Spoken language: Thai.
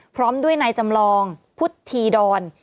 พร้อมด้วยนายจำลองพุทธีดอน